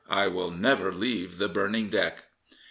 I will never leave the burning deck.